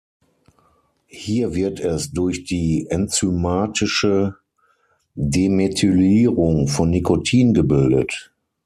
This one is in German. Hier wird es durch die enzymatische Demethylierung von Nicotin gebildet.